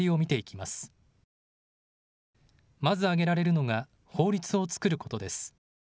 まず挙げられるのが法律を作ることです。